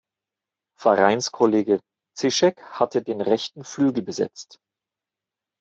Vereinskollege Zischek hatte den rechten Flügel besetzt.